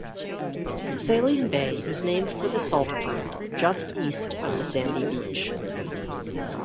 Saline Bay is named for the salt pond just east of the sandy beach.